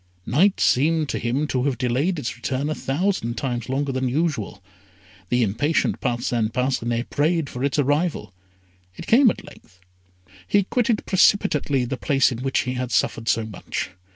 Night seemed to him to have delayed its return a thousand times longer than usual. The impatient Parcin Parcinet prayed for its arrival. It came at length. He quitted precipitately the place in which he had suffered so much.